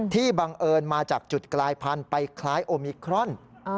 บังเอิญมาจากจุดกลายพันธุ์ไปคล้ายโอมิครอน